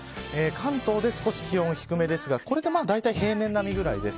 関東で少し気温低めですがこれでだいたい平年並みぐらいです。